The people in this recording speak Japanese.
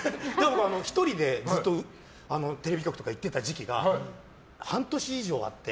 １人でずっとテレビ局とか行っていた時期が半年以上あって。